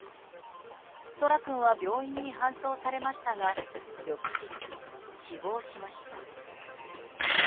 空来君は病院に搬送されましたが翌日、死亡しました。